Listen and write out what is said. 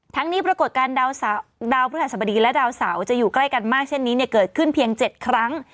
นี้ปรากฏการณ์ดาวพฤหัสบดีและดาวเสาจะอยู่ใกล้กันมากเช่นนี้เกิดขึ้นเพียง๗ครั้ง